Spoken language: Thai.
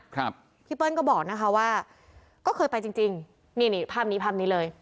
ครับพี่เปิ้ลก็บอกนะคะว่าก็เคยไปจริงจริงนี่นี่ภาพนี้ภาพนี้เลย